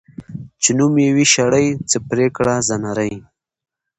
چی نوم یی وی شړي ، څه پریکړه ځه نري .